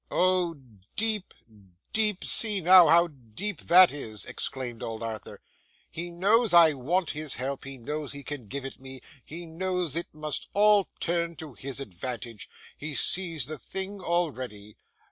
'Oh deep, deep! See now how deep that is!' exclaimed old Arthur. 'He knows I want his help, he knows he can give it me, he knows it must all turn to his advantage, he sees the thing already.